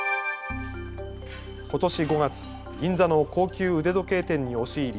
ことし５月、銀座の高級腕時計店に押し入り